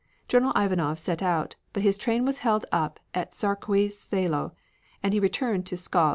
General Ivanov set out, but his train was held up at Tsarkoe Selo, and he returned to Pskov.